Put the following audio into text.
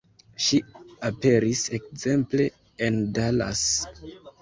Ŝi aperis ekzemple en Dallas.